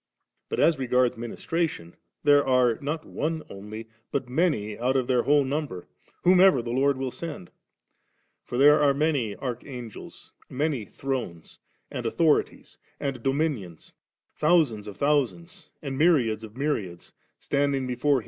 Bat as regards ministrations there are, not one only, bat many out of their whole number, whomever the Lord will send. For there are many Arch angels, many Thrones, and Authorities, and Dominions, thousands of thousands* and my riads of myriads, standing beware Hiin% minis m mumnxs by totnooM 4Vi<LiV.